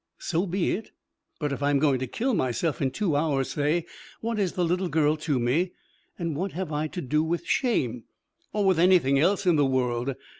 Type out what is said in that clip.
So be it. But if I am going to kill myself, in two hours, say, what is the little girl to me and what have I to do with shame or with anything else in the world?